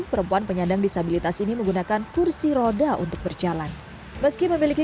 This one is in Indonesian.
perempuan penyandang disabilitas ini menggunakan kursi roda untuk berjalan meski memiliki